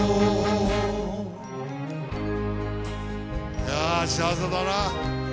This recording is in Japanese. いやー、幸せだなぁ。